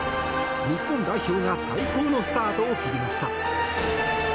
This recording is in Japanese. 日本代表が最高のスタートを切りました。